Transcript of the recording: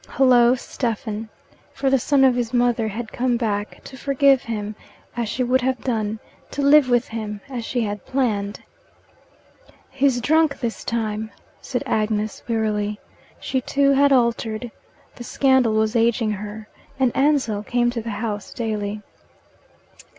Hullo, Stephen! For the son of his mother had come back, to forgive him, as she would have done, to live with him, as she had planned. "He's drunk this time," said Agnes wearily. She too had altered: the scandal was ageing her, and Ansell came to the house daily.